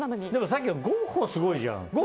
さっきのゴッホ、すごいじゃん。